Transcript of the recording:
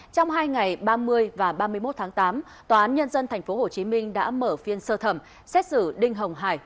trong hai ngày ba mươi và ba mươi một tháng tám tòa án nhân dân tp hcm đã mở phiên sơ thẩm xét xử đinh hồng hải